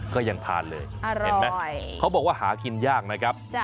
ก็ยังทานเลยเห็นไหมเขาบอกว่าหากินยากนะครับ